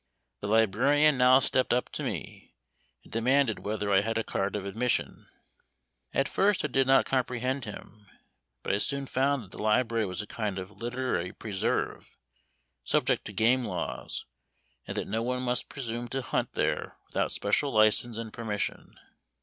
The librarian now stepped up to me, and demanded whether I had a card of admission. At first I did not comprehend him, but I soon found that the library was a kind of literary "preserve," subject to game laws, and that no one must presume to hunt there without special license and permission.